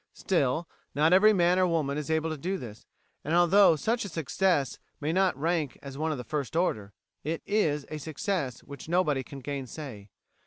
Still, not every man or woman is able to do this, and although such a success may not rank as one of the first order, it is a success which nobody can gainsay.